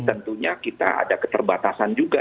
tentunya kita ada keterbatasan juga